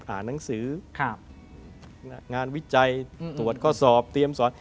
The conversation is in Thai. หนังสืองานวิจัยตรวจข้อสอบเตรียมสอน